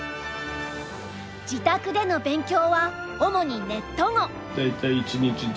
自宅での勉強は主にネット碁。